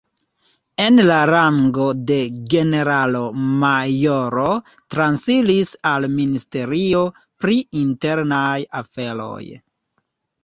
En la rango de generalo-majoro transiris al Ministerio pri Internaj Aferoj.